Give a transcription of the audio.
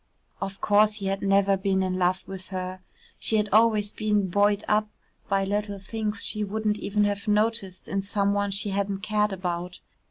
Of course he had never been in love with her. She had always been buoyed up by little things she wouldn't even have noticed in some one she hadn't cared about.